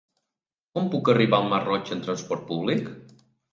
Com puc arribar al Masroig amb trasport públic?